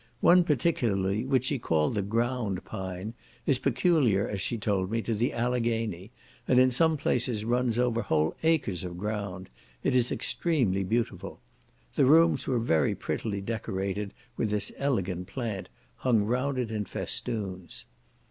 One particularly, which she called the ground pine, is peculiar as she told me, to the Alleghany, and in some places runs over whole acres of ground; it is extremely beautiful. The rooms were very prettily decorated with this elegant plant, hung round it in festoons.